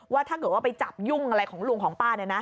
ว่าถ้าเกิดว่าไปจับยุ่งอะไรของลุงของป้า